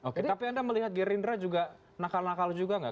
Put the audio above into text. oke tapi anda melihat gerindra juga nakal nakal juga nggak